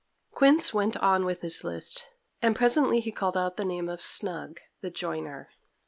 Quince went on with his list, and presently he called out the name of Snug, the joiner.